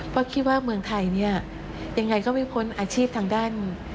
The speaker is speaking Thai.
เพราะคิดว่าเมืองไทยเนี่ยยังไงก็ไม่พ้นอาชีพทางด้าน